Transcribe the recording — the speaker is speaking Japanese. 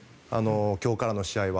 今日からの試合は。